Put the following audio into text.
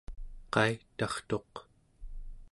qaitartuq